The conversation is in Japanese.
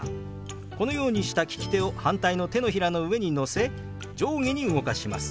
このようにした利き手を反対の手のひらの上に乗せ上下に動かします。